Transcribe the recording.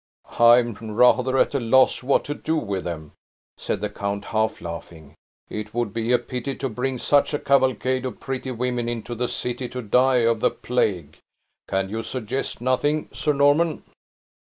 "I am rather at a loss what to do with them," said the count, half laughing. "It would be a pity to bring such a cavalcade of pretty women into the city to die of the plague. Can you suggest nothing, Sir Norman?"